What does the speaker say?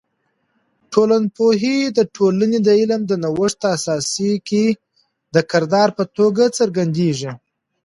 ټولنپوهی د ټولنې د علم د نوښت اساسي کې د کردار په توګه څرګندیږي.